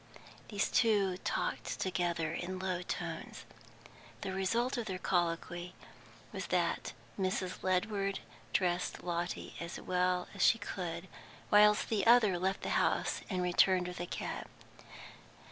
These two talked together in low tones. The result of their colloquy was that Mrs. Ledward dressed Lotty as well as she could, whilst the other left the house and returned with a cab.